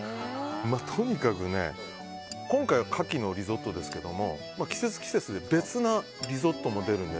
とにかくね、今回は牡蠣のリゾットですが季節、季節で別のリゾットも出るので。